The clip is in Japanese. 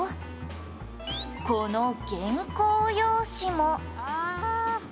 「この原稿用紙も」ああ！